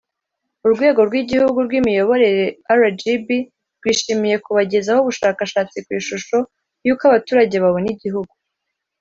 urwego rw igihugu rw imiyoborere rgb rwishimiye kubagezaho ubushakashatsi ku ishusho y uko abaturage babona igihugu